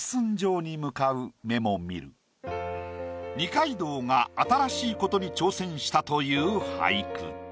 二階堂が新しいことに挑戦したという俳句。